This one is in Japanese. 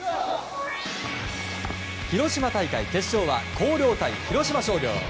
広島大会決勝は広陵対広島商業。